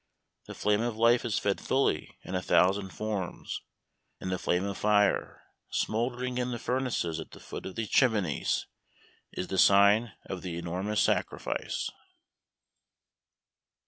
The flame of life is fed fully in a thousand forms, and the flame of fire, smouldering in the furnaces at the foot of these chimneys, is the sign of the enormous sacrifice.